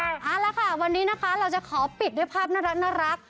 เอาละค่ะวันนี้นะคะเราจะขอปิดด้วยภาพน่ารัก